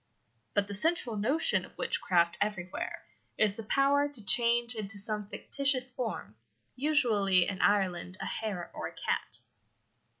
But the central notion of witchcraft everywhere is the power to change into some fictitious form, usually in Ireland a hare or a cat.